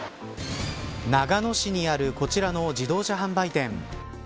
長野市にあるこちらの自動車販売店。